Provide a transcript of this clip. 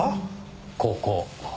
ここ。